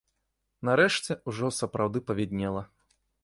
Нарэшце ўжо сапраўды павіднела.